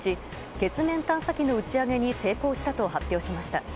月面探査機の打ち上げに成功したと発表しました。